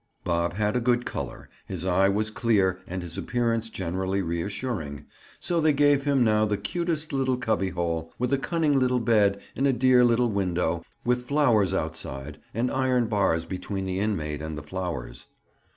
Bob had a good color, his eye was clear and his appearance generally reassuring, so they gave him now the cutest little cubby hole, with a cunning little bed and a dear little window, with flowers outside and iron bars between the inmate and the flowers.